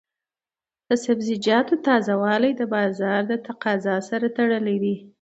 د سبزیجاتو تازه والی د بازار د تقاضا سره تړلی دی.